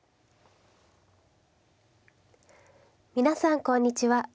皆さんこんにちは。